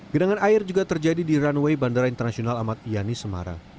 genangan air juga terjadi di runway bandara internasional amat yani semarang